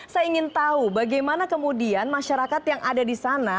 saya ingin tahu bagaimana kemudian masyarakat yang ada di sana